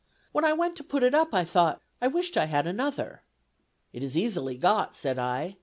When I went to put it up, I thought, I wished I had another. 'It is easily got,' said I.